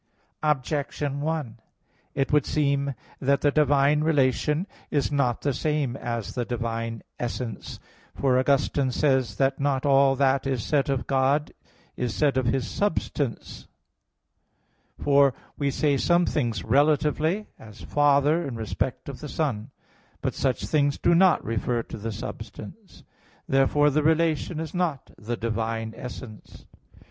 Objection 1: It would seem that the divine relation is not the same as the divine essence. For Augustine says (De Trin. v) that "not all that is said of God is said of His substance, for we say some things relatively, as Father in respect of the Son: but such things do not refer to the substance." Therefore the relation is not the divine essence.